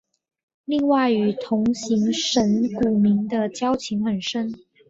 另外与同行神谷明的交情很深。